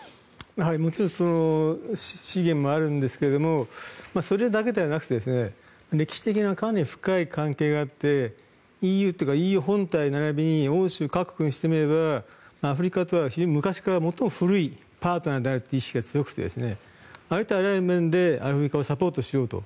もちろん資源もあるんですがそれだけではなくて歴史的な深い関係があってＥＵというかＥＵ本体並びに欧州各国にしてみればアフリカとは昔から最も古いパートナーであるという意識が強くてですねありとあらゆる面でアフリカをサポートしようと。